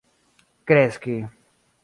kreski